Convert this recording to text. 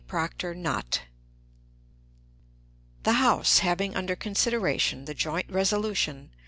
PROCTOR KNOTT The House having under consideration the joint resolution (S.